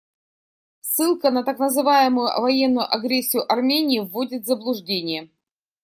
Ссылка на так называемую военную агрессию Армении вводит в заблуждение.